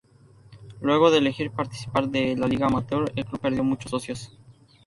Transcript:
Luego de elegir participar de la liga amateur, el club perdió muchos socios.